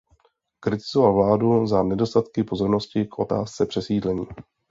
Kritizoval vládu za nedostatky pozornosti k otázce přesídlení.